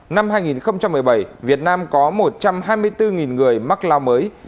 năm hai nghìn một mươi bảy việt nam có một trăm hai mươi bốn người mắc lao mới